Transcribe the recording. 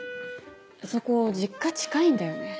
そこ実家近いんだよね。